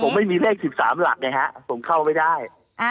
แต่ผมไม่มีเลข๑๓หลักนะครับผมเข้าไม่ได้